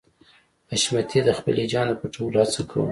حشمتي د خپل هيجان د پټولو هڅه کوله